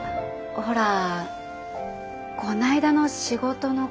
ほらこないだの仕事のこととか。